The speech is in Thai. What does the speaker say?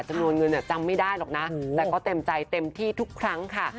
จำนวนเงินจำไม่ได้หรอกนะแต่ก็เต็มใจเต็มที่ทุกครั้งค่ะ